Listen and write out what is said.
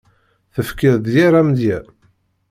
Tefkiḍ-d yir amedya.